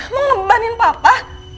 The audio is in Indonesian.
mau ngebebanin papa